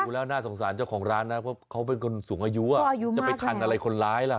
น่าสงสารเจ้าของร้านนะเพราะเขาเป็นคนสูงอายุจะไปทันอะไรคนร้ายล่ะ